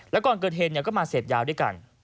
แล้วก่อนเกิดเหตุก็มาเสพยาด้วยกัน